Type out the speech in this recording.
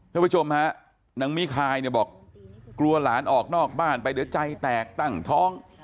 ท่านผู้ชมฮะนางมิคายเนี่ยบอกกลัวหลานออกนอกบ้านไปเดี๋ยวใจแตกตั้งท้อง